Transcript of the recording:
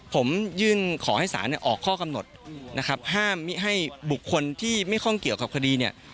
ผมยื่นขอให้ศาลเนี่ยออกข้อกำหนดนะครับห้ามให้บุคคลที่ไม่ข้องเกี่ยวกับคดีเนี่ย